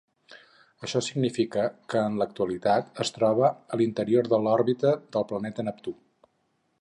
Això significa que en l'actualitat es troba a l'interior de l'òrbita del planeta Neptú.